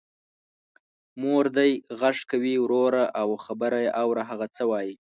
مور دی غږ کوې وروره او خبر یې اوره هغه څه وايي.